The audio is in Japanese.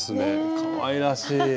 かわいらしい。